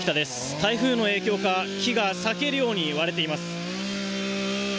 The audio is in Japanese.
台風の影響か木がさけるように割れています。